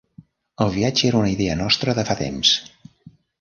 El viatge era una idea nostra de fa temps.